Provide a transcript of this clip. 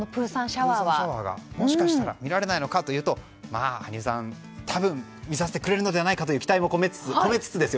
シャワーが見られないのかというと羽生さん、多分見させてくれるのではないかという期待も込めつつ。